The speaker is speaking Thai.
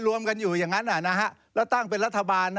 รวมกันอยู่อย่างนั้นแล้วตั้งเป็นรัฐบาล